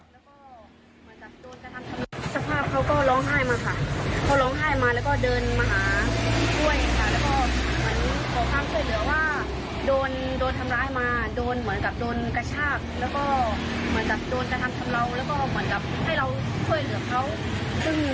ก็เหมือนกับโดนการทำทำเราแล้วก็เหมือนกับให้เราช่วยเหลือเขา